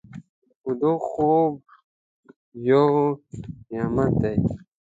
ویده خوب یو نعمت دی